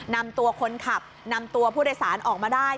นำตัวคนขับนำตัวผู้โดยสารออกมาได้